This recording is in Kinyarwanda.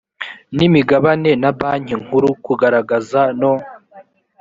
n imigabane na banki nkuru kugaragaza no